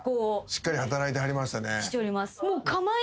しっかり働いてはりましたね。